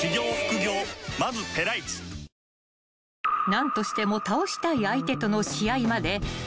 ［何としても倒したい相手との］